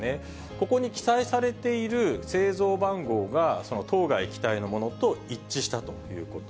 ここに記載されている製造番号がその当該機体のものと一致したということ。